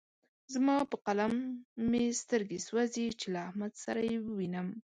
زما په قلم مې سترګې سوځې چې له احمد سره يې ووينم.